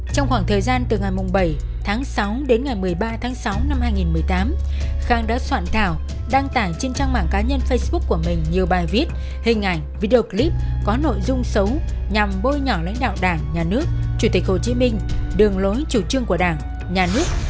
trong khoảng thời gian từ ngày bảy tháng sáu đến ngày một mươi ba tháng sáu năm hai nghìn một mươi tám khang đã soạn thảo đăng tải trên trang mạng cá nhân facebook của mình nhiều bài viết hình ảnh video clip có nội dung xấu nhằm bôi nhỏ lãnh đạo đảng nhà nước chủ tịch hồ chí minh đường lối chủ trương của đảng nhà nước